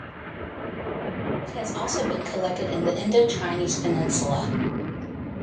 It has also been collected in the Indochinese peninsula.